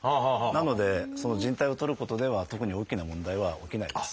なのでじん帯を取ることでは特に大きな問題は起きないです。